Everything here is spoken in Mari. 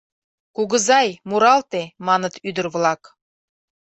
— Кугызай, муралте, — маныт ӱдыр-влак.